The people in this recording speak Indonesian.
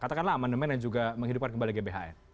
katakanlah amandemen yang juga menghidupkan kembali gbhn